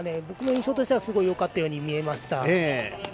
僕の印象としてはすごいよかったように見えました。